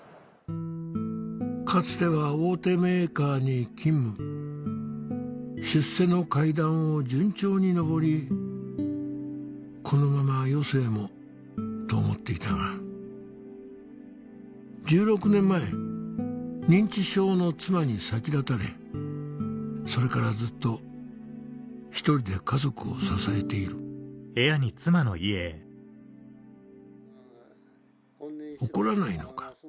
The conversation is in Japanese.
かつては大手メーカーに勤務出世の階段を順調に上りこのまま余生もと思っていたが１６年前認知症の妻に先立たれそれからずっと１人で家族を支えている怒らないのか？